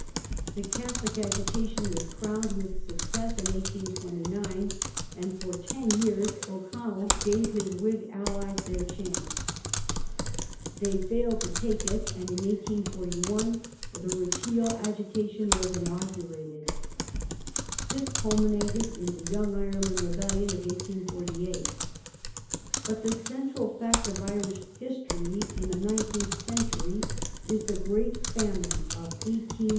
The Catholic agitation was crowned with success in 1829, and for ten yeare O'Connell gave his Whig allies their chance. They failed to take it, and in 1841 the Repeal agitation was inaugurated. This cul minated in the Young Ireland" rebellion of 1848. But the central fact of Irish history in the nineteenth century is the great famine of 1845 1846.